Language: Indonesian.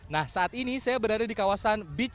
nah saat ini saya berada di kawasan bitcoin